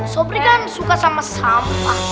sopri kan suka sama sampah